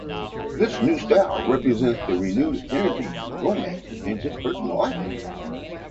This new style represents the renewed energy and romance within his personal life.